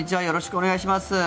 よろしくお願いします。